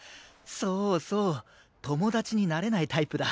そうそう友達になれないタイプだ。